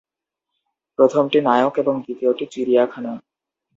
প্রথমটি "নায়ক" এবং দ্বিতীয়টি "চিড়িয়াখানা"।